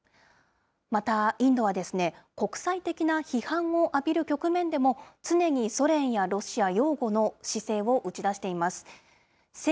またインドは、国際的な批判を浴びる局面でも、常にソ連やロシア擁護の姿勢を打ち出しています。